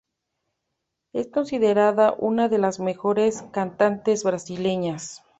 Es considerada una de las mejores cantantes brasileñas.